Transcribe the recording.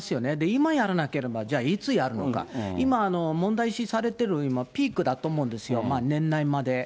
今やらなければ、じゃあ、いつやるのか、今、問題視されている、今、ピークだと思うんですよ、年内まで。